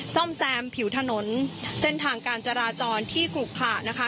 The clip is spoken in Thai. ซ่อมแซมผิวถนนเส้นทางการจราจรที่ขลุขระนะคะ